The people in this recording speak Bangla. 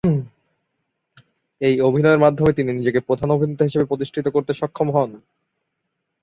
এই অভিনয়ে মাধ্যমে তিনি নিজেকে প্রধান অভিনেতা হিসেবে প্রতিষ্ঠিত করতে সক্ষম হন।